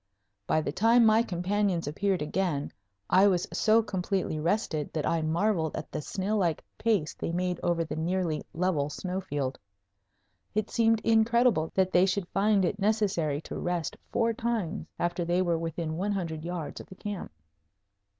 By the time my companions appeared again I was so completely rested that I marveled at the snail like pace they made over the nearly level snow field. It seemed incredible that they should find it necessary to rest four times after they were within one hundred yards of the camp.